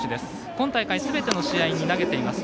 今大会すべての試合に投げています。